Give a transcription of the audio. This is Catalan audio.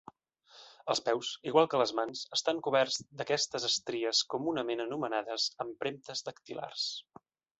Els peus, igual que les mans, estan coberts d'aquestes estries comunament anomenades empremtes dactilars.